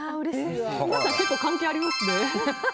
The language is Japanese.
皆さん、結構関係ありますね。